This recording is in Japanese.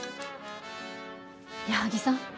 矢作さん